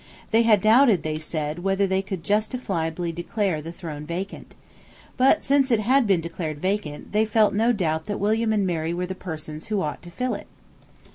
They had doubted, they said, whether they could justifiably declare the throne vacant. But, since it had been declared vacant, they felt no doubt that William and Mary were the persons who ought to fill it.